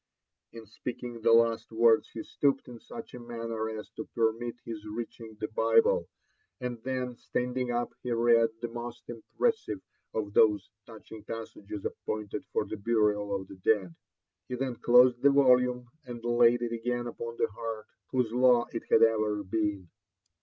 In speaking the last words he stooped in such a manner as to permit his reaching the Bible ; and then stand ing up, he read the most impressive of those touching passages ap pointed for the burial of the dead. He then closed the volume, and laid it again upon the heart whose law it had oyer been